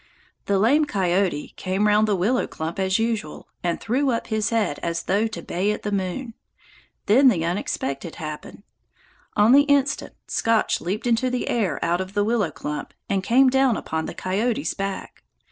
The lame coyote came round the willow clump as usual, and threw up his head as though to bay at the moon. Then the unexpected happened. On the instant, Scotch leaped into the air out of the willow clump, and came down upon the coyote's back!